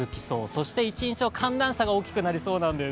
そして一日の寒暖差が大きくなりそうなんです。